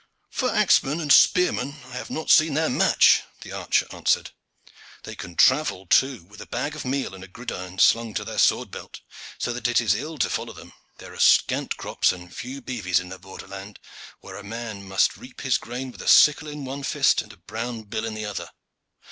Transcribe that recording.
"For axemen and for spearmen I have not seen their match," the archer answered. "They can travel, too, with bag of meal and gridiron slung to their sword belt, so that it is ill to follow them. There are scant crops and few beeves in the borderland, where a man must reap his grain with sickle in one fist and brown bill in the other.